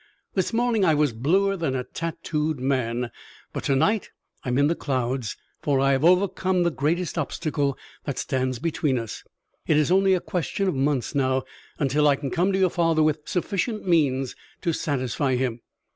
"This morning I was bluer than a tatooed man, but to night I am in the clouds, for I have overcome the greatest obstacle that stands between us. It is only a question of months now until I can come to your father with sufficient means to satisfy him.